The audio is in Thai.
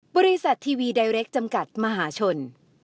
บริษัททีวีไดเรคจำกัดมหาชน